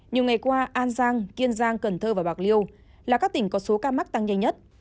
nhiều ngày qua an giang kiên giang cần thơ và bạc liêu là các tỉnh có số ca mắc tăng nhanh nhất